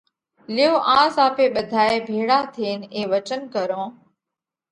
ليو آز آپي ٻڌائي ڀيۯا ٿينَ اي وچنَ ڪرون